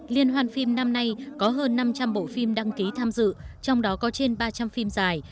liên hoan phim năm nay có hơn năm trăm linh bộ phim đăng ký tham dự trong đó có trên ba trăm linh phim dài